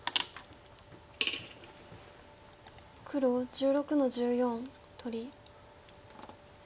黒１６の十四取り。